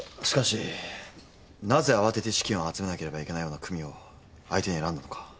しかしなぜ慌てて資金を集めなければいけないような組を相手に選んだのか。